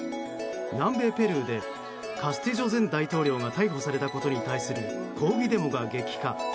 南米ペルーでカスティジョ前大統領が逮捕されたことに対する抗議デモが激化。